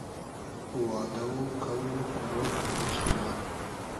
وادۂ و قۆل و قورۉ پورموشت کیدۂ